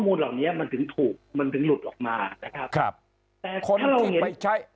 ข้อมูลเหรอนี้มันถึงถูกมันถึงหลุดออกมา